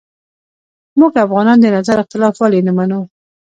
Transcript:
موږ افغانان د نظر اختلاف ولې نه منو